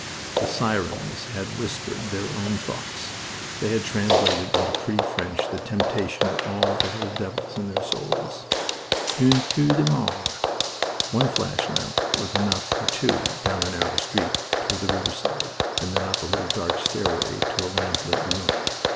The sirens had whispered their own thoughts. They had translated into pretty French the temptation of all the little devils in their souls. "Un peu d'amour " One flash lamp was enough for two down a narrow street toward the riverside, and then up a little dark stairway to a lamp lit room...